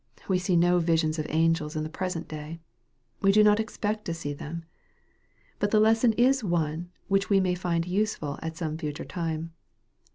We see no visions of angels in the present day. We do not expect to see them. But the lesson is one which we may find useful at some future time.